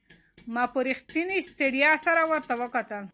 ما په رښتینې ستړیا سره ورته وکتل.